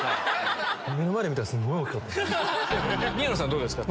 どうですか？